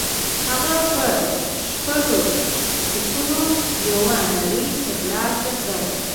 هغه په شپږو سينټو یوه نړۍ تر لاسه کړه